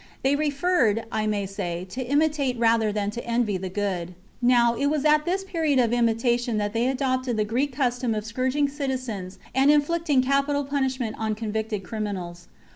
They preferred, I may say, to imitate rather than to envy the good. Now, it was at this period of imita tion that they adopted the [Greek] custom of scourg ing citizens and inflicting capital punishment on convicted criminals.